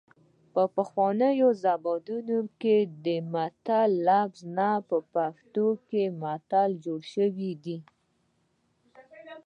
پخوانۍ زمانه کې د مثل لفظ نه په پښتو کې متل جوړ شوی دی